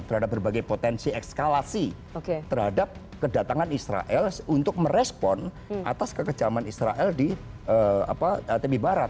terhadap berbagai potensi ekskalasi terhadap kedatangan israel untuk merespon atas kekejaman israel di tepi barat